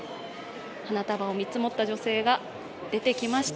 花束を３つ持った女性が出てきました。